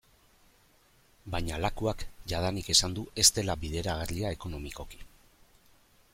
Baina Lakuak jadanik esan du ez dela bideragarria ekonomikoki.